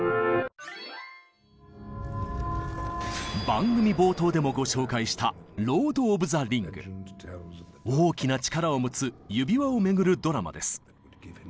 番組冒頭でもご紹介した大きな力を持つ「指輪」を巡るドラマです。